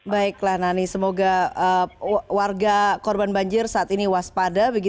baiklah nani semoga warga korban banjir saat ini waspada